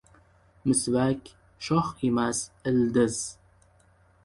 Misvak — shox emas, ildiz.